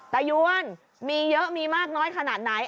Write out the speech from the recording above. ตายวนมีเยอะมีมากน้อยขนาดไหน